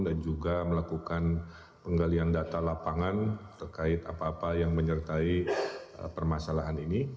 juga melakukan penggalian data lapangan terkait apa apa yang menyertai permasalahan ini